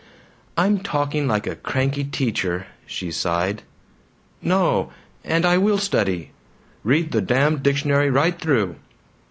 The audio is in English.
"I'm talking like a cranky teacher," she sighed. "No! And I will study! Read the damned dictionary right through."